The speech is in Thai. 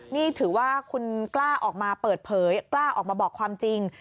นี่ถือว่าคุณกล้าออกมาเปิดเผยกล้าออกมาบอกความจริง